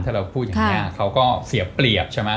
ถ้าเราพูดอย่างนี้เขาก็เสียเปรียบใช่ไหม